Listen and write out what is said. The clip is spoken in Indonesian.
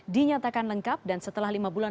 dinyatakan lengkap dan setelah lima bulan